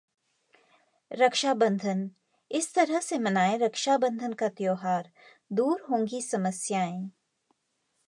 रक्षाबंधन: इस तरह से मनाएं रक्षाबंधन का त्योहार, दूर होंगी समस्याएं